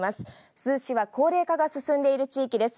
珠洲市は高齢化が進んでいる地域です。